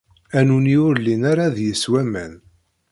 Anu-nni ur llin ara deg-s waman.